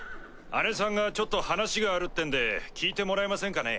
あねさんがちょっと話があるってんで聞いてもらえませんかね？